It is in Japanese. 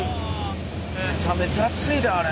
めちゃめちゃ熱いであれ。